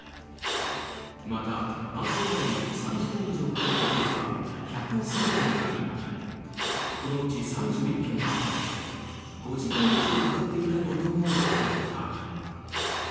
また、搬送までに３時間以上かかったケースは１０３件ありこのうち３１件は５時間以上かかっていたことも分かった。